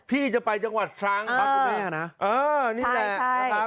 พี่จะไปจังหวัดทรังเออนี่แหละเออนี่แหละใช่ใช่นะครับเออ